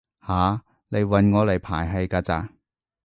吓？你搵我嚟排戲㗎咋？